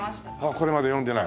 これまだ読んでない。